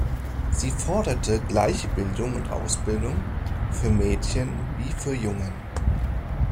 Sie forderte gleiche Bildung und Ausbildung für Mädchen wie für Jungen.